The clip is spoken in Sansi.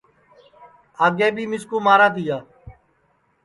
پہلے بی مِسکُو مارا تیا